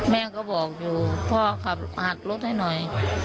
แม่ก็บอกอยู่พ่อขับหักรถให้หน่อย